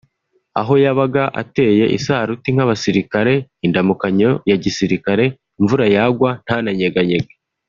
aho yabaga ateye isaruti nk’abasirikare (indamukanyo ya gisirikare) imvura yagwa ntananyeganyege